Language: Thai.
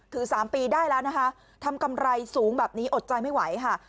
๓ปีได้แล้วนะคะทำกำไรสูงแบบนี้อดใจไม่ไหวค่ะ